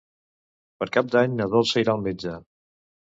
Per Cap d'Any na Dolça irà al metge.